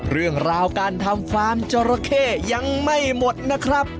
เรื่องราวการทำฟาร์มจราเข้ยังไม่หมดนะครับ